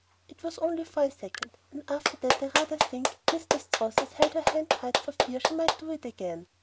It was only for a second, and after that I rather think Mr. Strothers held her hand tight for fear she might do it again.